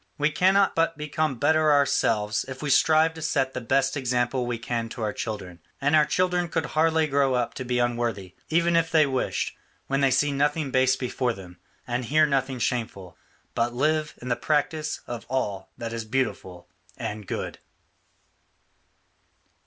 We cannot but become better ourselves if we strive to set the best example we can to our children, and our children could hardly grow up to be unworthy, even if they wished, when they see nothing base before them, and hear nothing shameful, but live in the practice of all that is beautiful and good."